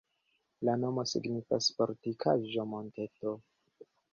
La nomo signifas: fortikaĵo-monteto.